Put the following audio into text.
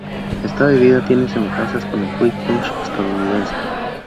Esta bebida tiene semejanzas con el fruit punch estadounidense.